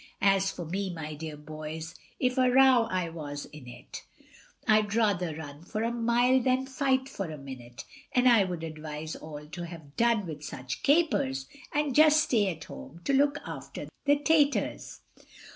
As for me, my dear boys, if a row I was in it, I'd rather run for a mile than fight for a minute; And I would advise all to have done with such capers, And just stay at home to look after the taters.